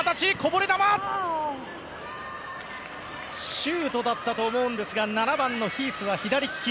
シュートだったと思うんですが７番のヒースは左利き。